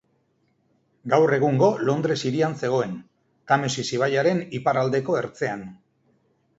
Gaur egungo Londres hirian zegoen, Tamesis ibaiaren iparraldeko ertzean.